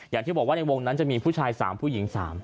อย่างที่บอกว่าในวงนั้นจะมีผู้ชาย๓ผู้หญิง๓